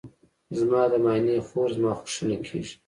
زما د ماینې خور زما خوښینه کیږي.